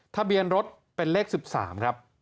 ทะเบียนรถเป็นเลข๑๓ครับ